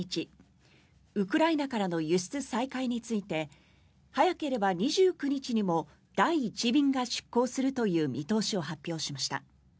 ウクライナからの輸出再開について早ければ２９日にも第１便が出港するという見通しを発表しました。